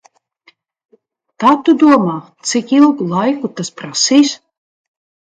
Kā tu domā, cik ilgu laiku tas prasīs?